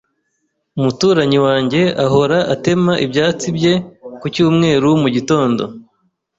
Umuturanyi wanjye ahora atema ibyatsi bye ku cyumweru mugitondo.